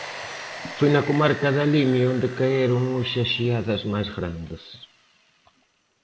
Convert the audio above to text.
Foi na comarca da Limia onde caeron hoxe as xeadas máis grandes.